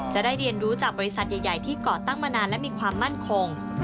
จะได้เรียนรู้จากบริษัทใหญ่ที่ก่อตั้งมานานและมีความมั่นคง